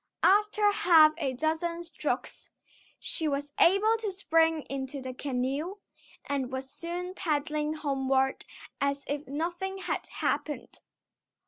After half a dozen strokes, she was able to spring into the canoe, and was soon paddling homeward as if nothing had happened.